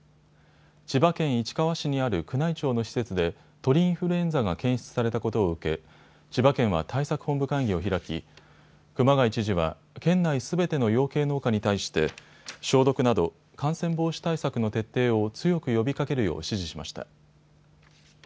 千葉県市川市にある宮内庁の施設で鳥インフルエンザが検出されたことを受け千葉県は対策本部会議を開き熊谷知事は県内すべての養鶏農家に対して消毒など感染防止対策の徹底を強く呼びかけるよう指示しました。